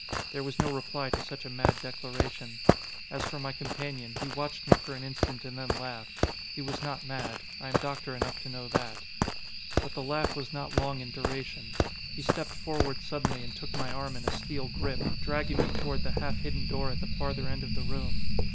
There was no reply to such a mad declaration. As for my companion, he watched me for an instant and then laughed. He was not mad. I am doctor enough to know that. But the laugh was not long in duration. He stepped forward suddenly and took my arm in a steel grip, dragging me toward the half hidden door at the farther end of the room.